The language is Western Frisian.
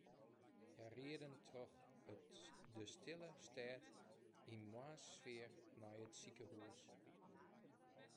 Hja rieden troch de stille stêd yn moarnssfear nei it sikehûs.